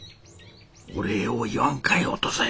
お礼を言わんかいお登勢！